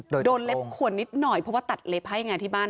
โดนเล็บขวดนิดหน่อยเพราะว่าตัดเล็บให้ไงที่บ้าน